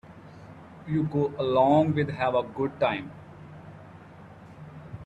You go along and have a good time.